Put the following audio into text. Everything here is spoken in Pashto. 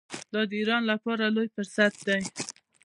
دا د ایران لپاره لوی فرصت دی.